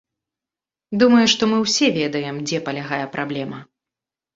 Думаю, што мы ўсе ведаем, дзе палягае праблема.